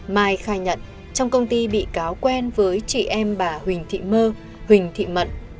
mai khai nhận trong công ty bị cáo quen với chị em bà huỳnh thị mơ huỳnh thị mận